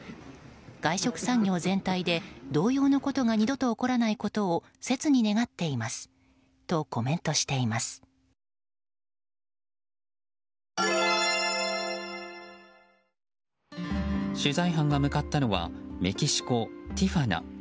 外食産業全体で同様なことが二度と起こらないことを切に願っていますと取材班が向かったのはメキシコ・ティファナ。